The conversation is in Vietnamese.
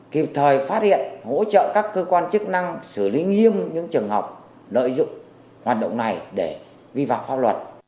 kịp thời phát hiện hỗ trợ các cơ quan chức năng xử lý nghiêm những trường hợp lợi dụng hoạt động này để vi phạm pháp luật